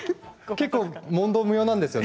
結構、問答無用なんですよね。